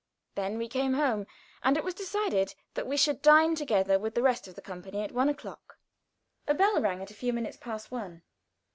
Then we came home, and it was decided that we should dine together with the rest of the company at one o'clock. A bell rang at a few minutes past one.